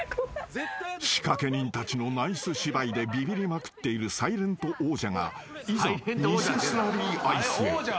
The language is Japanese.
［仕掛け人たちのナイス芝居でビビりまくっているサイレント王者がいざ偽スラリーアイスへ］